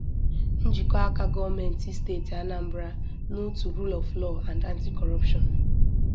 Njikọaka gọọmenti steeti Anambra na òtù 'Rule of Law And Anti-Corruption